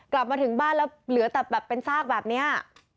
กลับมาถึงบ้านแล้วเหลือแต่แบบเป็นซากแบบนี้